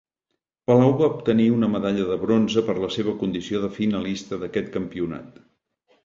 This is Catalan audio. Palau va obtenir una medalla de bronze per la seva condició de finalista d'aquest campionat.